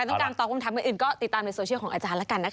ต้องการตอบคำถามอื่นก็ติดตามในโซเชียลของอาจารย์แล้วกันนะคะ